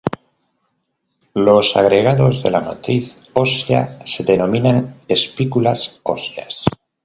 Los agregados de la matriz ósea se denominan espículas óseas.